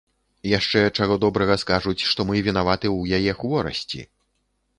Яшчэ, чаго добрага, скажуць, што мы вінаваты ў яе хворасці.